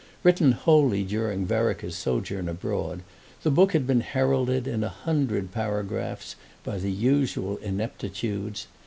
Written wholly during Vereker's sojourn abroad, the book had been heralded, in a hundred paragraphs, by the usual ineptitudes.